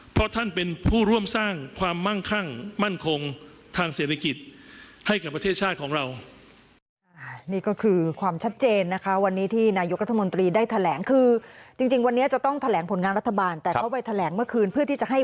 เพราะท่านเป็นผู้ร่วมสร้างความมั่งคั่งมั่นคงทางเศรษฐกิจให้กับประเทศชาติของเรา